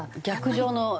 逆上の。